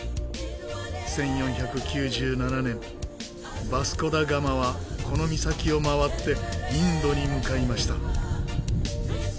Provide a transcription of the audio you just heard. １４９７年ヴァスコ・ダ・ガマはこの岬を回ってインドに向かいました。